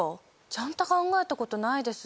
ちゃんと考えたことないです。